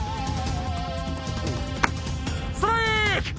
ストライーク！